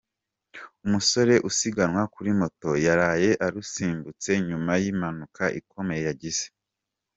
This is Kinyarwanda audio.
Umusore usiganwa kuri moto yaraye arusimbutse nyuma y’impanuka ikomeye yagize.